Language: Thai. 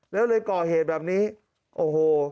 แล้วเลยก่อเหตุแบบนี้โอ้โห